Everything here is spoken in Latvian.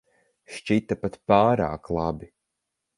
Šķita pat pārāk labi.